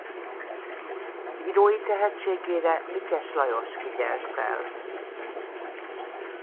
Írói tehetségére Mikes Lajos figyelt fel.